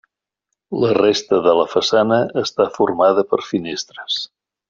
La resta de la façana està formada per finestres.